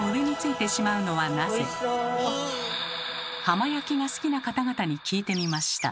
浜焼きが好きな方々に聞いてみました。